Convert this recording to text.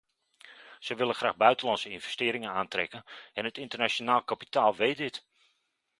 Zij willen graag buitenlandse investeringen aantrekken en het internationaal kapitaal weet dit.